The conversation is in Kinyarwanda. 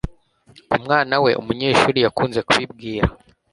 ku mwana we umunyeshuri yakunze kubibwira